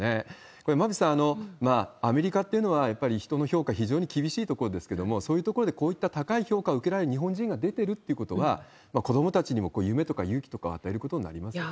これ、馬渕さん、アメリカっていうのはやっぱり人の評価、非常に厳しい所ですけども、そういった所でこういった高い評価を受けられる日本人が出てるってことは、子どもたちの夢とか勇気とかを与えることになりますよね。